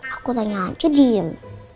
aku tanya aja diem